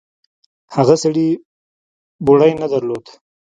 هغه سړي بوړۍ نه درلوده.